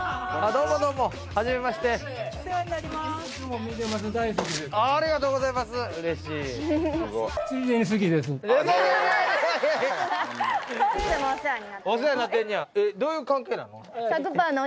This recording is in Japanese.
どういう関係なの？